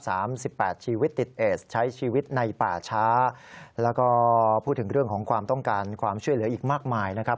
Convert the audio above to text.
สามสิบแปดชีวิตติดเอสใช้ชีวิตในป่าช้าแล้วก็พูดถึงเรื่องของความต้องการความช่วยเหลืออีกมากมายนะครับ